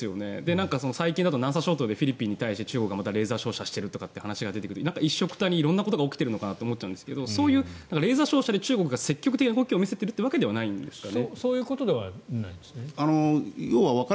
最近は南沙諸島でフィリピンに対して中国がレーザー照射しているという話が出てくると一緒くたに色んなことをしているのかなと思っちゃうんですけどそういうレーザー照射で中国が積極的な動きを見せているわけではないんですよね。